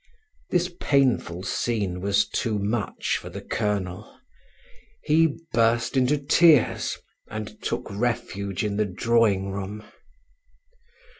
This painful scene was too much for the colonel; he burst into tears, and took refuge in the drawing room.